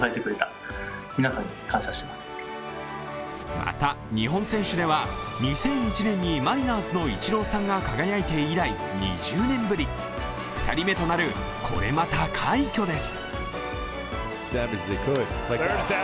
また、日本選手では２００１年にマリナーズのイチローさんが輝いて以来、２０年ぶり、２人目となるこれまた快挙です。